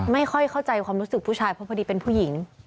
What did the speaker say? ไม่ค่อยเข้าใจความรู้สึกผู้ชายเพราะพอดีเป็นผู้หญิง